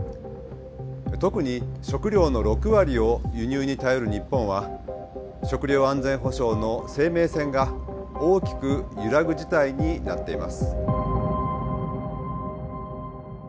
特に食料の６割を輸入に頼る日本は食料安全保障の生命線が大きく揺らぐ事態になっています。